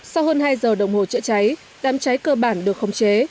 sau hơn hai giờ đồng hồ chữa cháy đám cháy cơ bản được khống chế